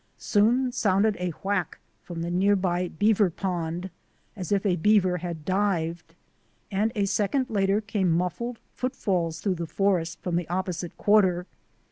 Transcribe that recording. Soon sounded a whack from the near by bea ver pond, as if a beaver had dived, and a second later came muffled footfalls through the forest from the opposite quarter.